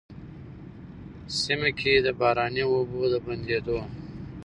سيمه کي د باراني اوبو د بندېدو،